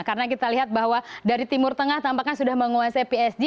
karena kita lihat bahwa dari timur tengah tampaknya sudah menguasai psg